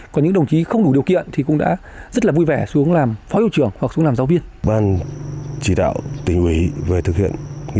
còn những đồng chí không đủ điều kiện thì cũng đã rất là vui vẻ xuống làm phó hiệu trưởng hoặc xuống làm giáo viên